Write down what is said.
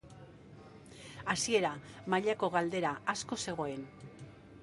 Hasiera mailako galdera asko zegoen.